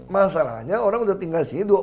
masalahnya orang sudah tinggal sini